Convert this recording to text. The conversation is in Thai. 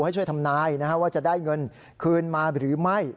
ให้ช่วยทำนายว่าจะได้เงินคืนมาหรือไม่